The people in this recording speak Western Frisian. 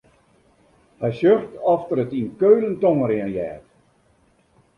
Hy sjocht oft er it yn Keulen tongerjen heart.